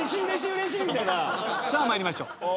さあ参りましょう。